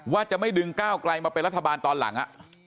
ว่าจะไม่ดึงก้าวไกลมาเป็นรัฐบาลตอนหลัง